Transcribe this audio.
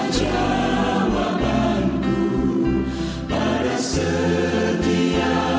tiada dan baik bagi dunia